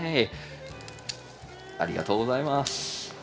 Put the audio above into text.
ありがとうございます。